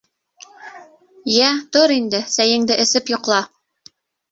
— Йә, тор инде, сәйеңде эсеп йоҡла.